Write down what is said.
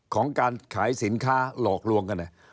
ของการขายสินค้าหลอกลวงกัน